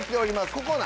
ここな。